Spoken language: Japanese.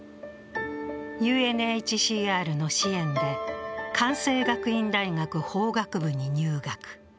ＵＮＨＣＲ支援で、関西学院大学法学部に入学。